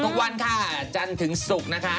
ทุกวันค่ะจันทร์ถึงศุกร์นะคะ